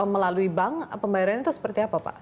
melalui bank pembayaran itu seperti apa pak